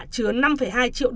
chứa năm hai triệu usd